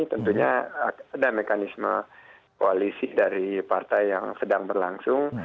tentunya ada mekanisme koalisi dari partai yang sedang berlangsung